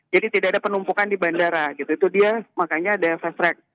jadi tidak ada penumpukan di bandara gitu itu dia makanya ada fast track